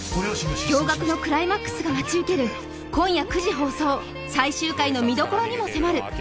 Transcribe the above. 驚愕のクライマックスが待ち受ける今夜９時放送最終回の見どころにも迫る！